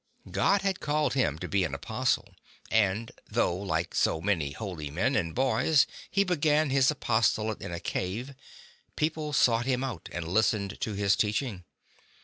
God had called him to be an apostle, and though like so many holy men and boys he began his aposto late in a cave, people sought him out and listened to his teaching.